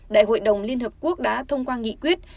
đại hội đồng liên hợp quốc đã thông qua nghị quyết